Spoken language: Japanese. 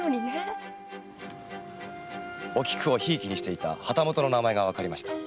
おきくを贔屓にしていた旗本の名前がわかりました。